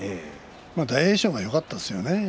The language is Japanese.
大栄翔がよかったですよね